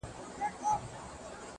ځکه چي ماته يې زړگی ويلی ـ